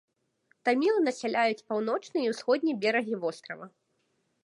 Тамілы насяляюць паўночны і ўсходні берагі вострава.